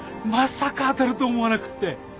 まさか当たると思わなくって。